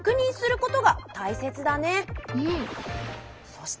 そして！